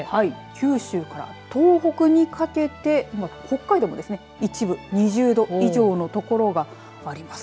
九州から東北にかけて北海道もですね一部２０度以上の所があります。